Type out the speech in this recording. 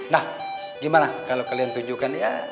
nah gimana kalau kalian tunjukkan ya